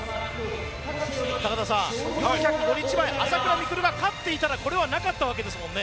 高田さん、４０５日前朝倉未来が勝っていたらこれはなかったわけですもんね。